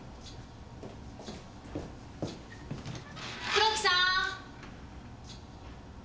黒木さん！